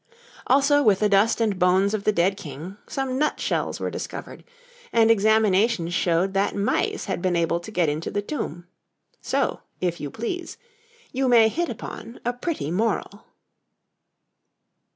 Also with the dust and bones of the dead King some nutshells were discovered, and examination showed that mice had been able to get into the tomb. So, if you please, you may hit upon a pretty moral.